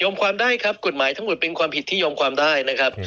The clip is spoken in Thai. ความได้ครับกฎหมายทั้งหมดเป็นความผิดที่ยอมความได้นะครับ